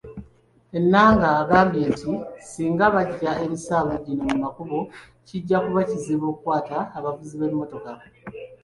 Enanga agambye nti singa bajja emisanvu gino mu makubo, kijja kuba kizibu okukwata abavuzi b'emmotoka.